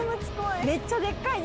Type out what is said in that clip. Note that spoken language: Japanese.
めっちゃでかい！